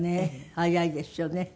早いですよね。